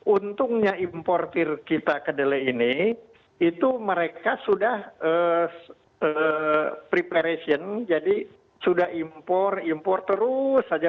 untungnya importer kita kedelai ini itu mereka sudah preparation jadi sudah impor impor terus saja